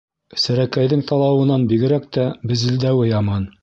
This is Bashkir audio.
Серәкәйҙең талауынан бигерәк безелдәүе яман.